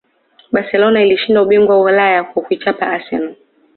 barcelona ilishinda ubingwa wa ulaya kwa kuichapa arsenal